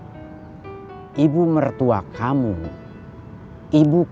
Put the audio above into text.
ini k labah gensum yang baru datang sediaaa